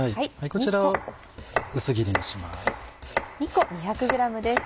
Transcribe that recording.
こちらを薄切りにします。